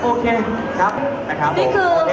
โอเคขอบคุณครับโอเค